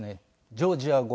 ジョージア語。